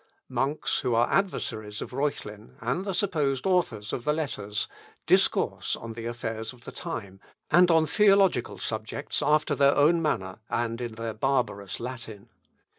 Monks, who are adversaries of Reuchlin, and the supposed authors of the letters, discourse on the affairs of the time, and on theological subjects after their own manner, and in their barbarous Latin.